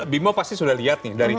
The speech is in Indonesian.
bimo pasti sudah lihat nih